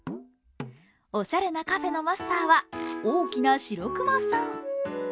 おしゃれなカフェのマスターは大きなシロクマさん。